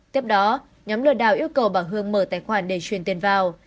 tiếp đó nhóm lừa đảo yêu cầu bà hương mở tài khoản để truyền tiền vào